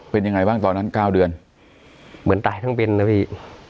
เป็นยังไงบ้างตอนนั้น๙เดือนเหมือนตายทั้งเป็นนะพี่